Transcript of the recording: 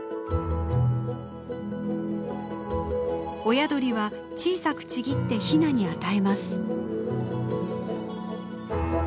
親鳥は小さくちぎってヒナに与えます。